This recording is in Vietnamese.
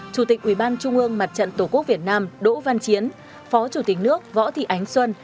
chủ tịch ubnd mặt trận tổ quốc việt nam đỗ văn chiến phó chủ tịch nước võ thị ánh xuân